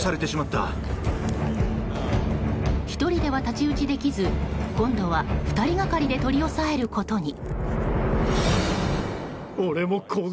１人では太刀打ちできず今度は２人がかりで取り押さえることに。